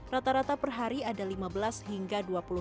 rata rata per hari ada lima belas hingga dua puluh